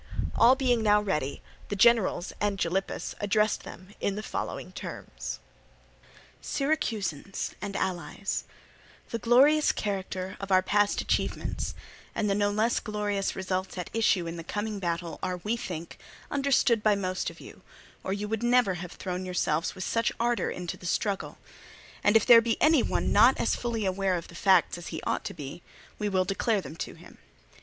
All being now ready, the generals and Gylippus addressed them in the following terms: "Syracusans and allies, the glorious character of our past achievements and the no less glorious results at issue in the coming battle are, we think, understood by most of you, or you would never have thrown yourselves with such ardour into the struggle; and if there be any one not as fully aware of the facts as he ought to be, we will declare them to him.